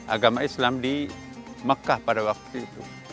agama islam di mekah pada waktu itu